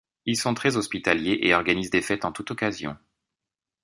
Ils sont très hospitaliers et organisent des fêtes en toute occasion.